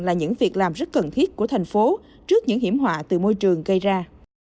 là những việc làm rất cần thiết của thành phố trước những hiểm họa từ môi trường gây ra